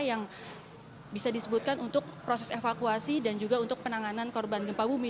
yang bisa disebutkan untuk proses evakuasi dan juga untuk penanganan korban gempa bumi